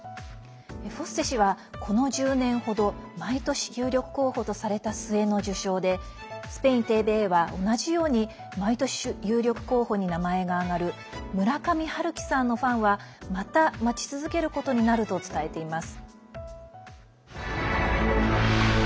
フォッセ氏はこの１０年程毎年有力候補とされた末の受賞でスペインＴＶＥは同じように毎年有力候補に名前が挙がる村上春樹さんのファンはまた待ち続けることになると伝えています。